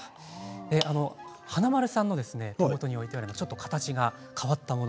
華丸さんの手元に置いてあるのは形が変わったもの。